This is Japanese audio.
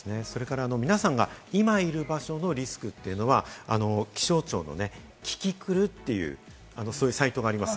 皆さんが今いる場所のリスクというのは気象庁のキキクルという、そういうサイトがあります。